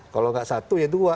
kalau nggak satu ya dua